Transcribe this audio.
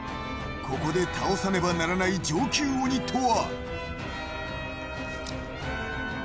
ここで倒さねばならない上級鬼とは？